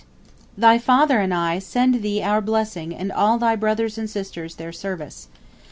Thy ffathr & I send thee our blessing, & all thy brothrs & sistrs theyr service.